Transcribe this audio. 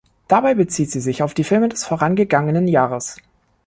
Dabei bezieht sie sich auf Filme des vorangegangenen Jahres.